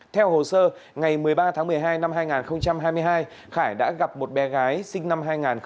theo hồ sơ ngày một mươi ba tháng một mươi hai năm hai nghìn hai mươi hai khải đã gặp một bé gái sinh năm hai nghìn hai mươi